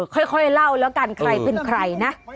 ค่อยเล่าแล้วกันใครเป็นใครนะ